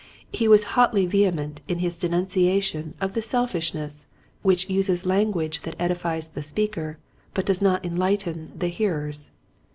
He was hotly vehement in his denunciation of the selfishness which uses language that edifies the speaker but does not enlighten the hearers.